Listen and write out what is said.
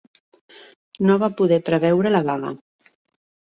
No va poder preveure la vaga.